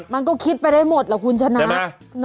มันก็คิดไปได้หมดล่ะคุณชนะ